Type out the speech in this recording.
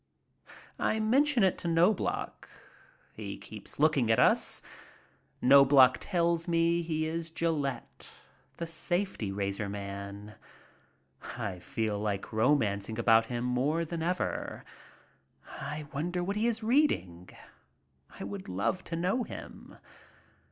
I mention it to Knobloch. He keeps looking at us. Knobloch tells me he is Gillette, the safety razor man. I feel like romancing about him more than ever. I wonder what he is reading? I would love to know him.